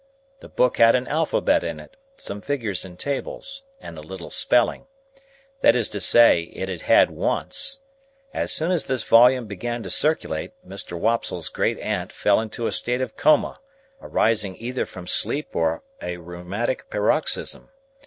The book had an alphabet in it, some figures and tables, and a little spelling,—that is to say, it had had once. As soon as this volume began to circulate, Mr. Wopsle's great aunt fell into a state of coma, arising either from sleep or a rheumatic paroxysm.